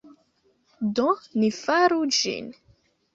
Do, ni faru ĝin